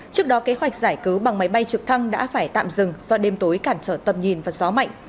trước đó kế hoạch giải cứu bằng máy bay trực thăng đã phải tạm dừng do đêm tối cản trở tầm nhìn và gió mạnh